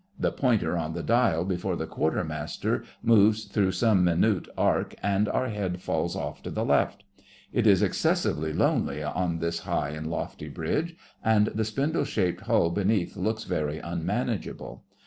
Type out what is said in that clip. The pointer on the dial before the Quartermaster moves through some minute arc, and our head falls off to the left. It is excessively lonely on this high and lofty bridge, and the spindle shaped hull beneath looks very unmanageable.